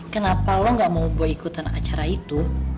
kenapa lo nggak mau boy ikutan acara itu